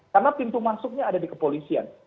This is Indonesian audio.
karena pintu masuknya ada di kepolisian